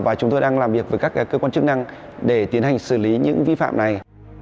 và chúng tôi đang làm việc với các cơ quan chức năng để tiến hành xử lý những vi phạm này